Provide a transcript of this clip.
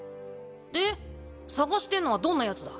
で捜してんのはどんなヤツだ？